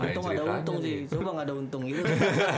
untung ada untung sih coba gak ada untung gitu